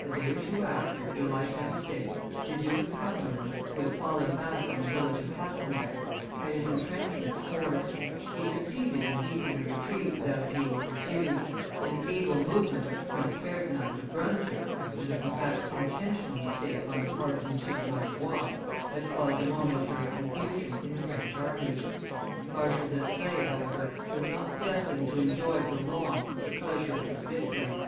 A day or two after, July 26, the Duke of Cumberland, who had fallen back on the village of Hastenbeck, had his intrenchments forced; he succeeded in beating a retreat without being pursued; an able movement of Prince Ferdinand of Brunswick, and a perhaps intentional mistake on the part of M. de Maillebois had caused a momentary confusion in the French army. Marshal d'Estrees, however, was not destined to enjoy for long the pleasure of his victory.